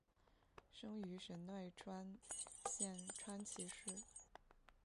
生于神奈川县川崎市。